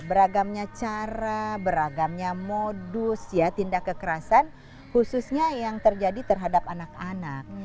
beragamnya cara beragamnya modus ya tindak kekerasan khususnya yang terjadi terhadap anak anak